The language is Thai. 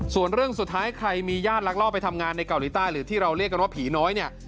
ส่วนเรื่องสุดท้ายใครมีญาติลักลอบไปทำงานในเกาหลีใต้หรือที่เราเรียกกันว่าผีน้อยเนี่ย